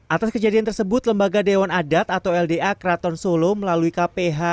atas kejadian tersebut lembaga dewan adat atau lda keraton solo melalui kph